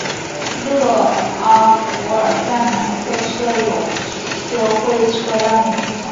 勒阿弗尔站南侧设有社会车辆停车场。